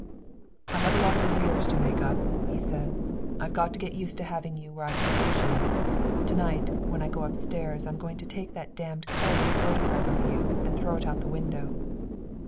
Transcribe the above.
"I have a lot of arrears to make up," he said. "I've got to get used to having you where I can touch you. To night when I go upstairs I'm going to take that damned colorless photograph of you and throw it out the window."